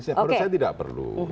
saya tidak perlu